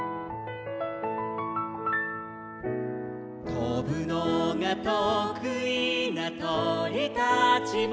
「とぶのがとくいなとりたちも」